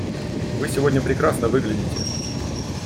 Вы сегодня прекрасно выглядите!